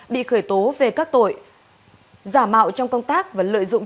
bị khởi tố về các tội giả mạo trong công tác và lợi dụng